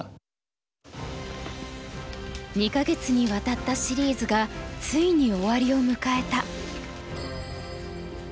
２か月にわたったシリーズがついに終わりを迎えた。